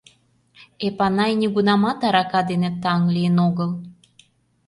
Эпанай нигунамат арака дене таҥ лийын огыл.